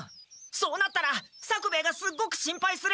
そうなったら作兵衛がすっごく心配する！